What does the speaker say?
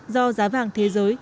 do giá vàng thế giới